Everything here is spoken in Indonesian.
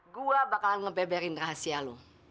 gue bakalan ngebeberin rahasia lo